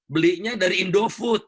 belinya dari indofood